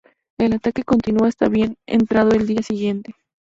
El ataque continuó hasta bien entrado el día siguiente.